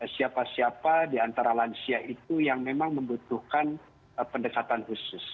siapa siapa di antara lansia itu yang memang membutuhkan pendekatan khusus